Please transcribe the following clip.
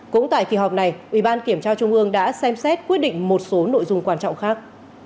cũng tại kỳ họp này ủy ban kiểm tra trung ương đã xem xét quyết định một số nội dung quan trọng khác